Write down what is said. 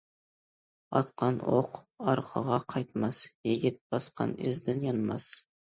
« ئاتقان ئوق ئارقىغا قايتماس، يىگىت باسقان ئىزىدىن يانماس».